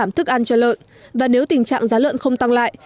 làm thức ăn cho lợn và nếu tình trạng giá lợn không tăng lại